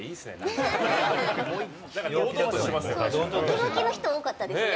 ムキムキの人、多かったですね。